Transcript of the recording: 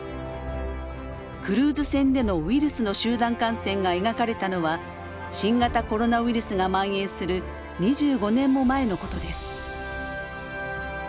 クルーズ船でのウイルスの集団感染が描かれたのは新型コロナウイルスがまん延する２５年も前のことです。